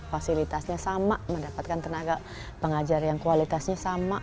fasilitasnya sama mendapatkan tenaga pengajar yang kualitasnya sama